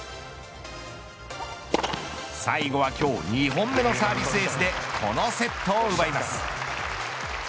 最後は、今日２本目のサービスエースでこのセットを奪います。